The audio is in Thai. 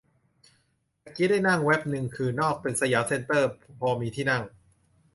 ตะกี้ได้นั่งแว๊บนึงคือนอกตึกสยามเซ็นเตอร์พอมีที่นั่ง